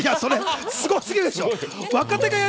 すごすぎでしょ。